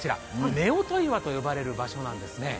夫婦岩と言われる場所なんですね。